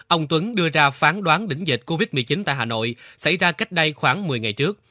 ông tuấn đưa ra phán đoán đỉnh dịch covid một mươi chín tại hà nội xảy ra cách đây khoảng một mươi ngày trước